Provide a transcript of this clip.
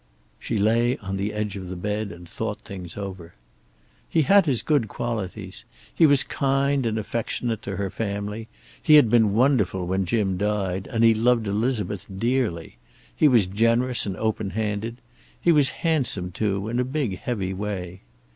She lay on the edge of the bed and thought things over. He had his good qualities. He was kind and affectionate to her family. He had been wonderful when Jim died, and he loved Elizabeth dearly. He was generous and open handed. He was handsome, too, in a big, heavy way.